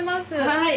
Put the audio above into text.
はい。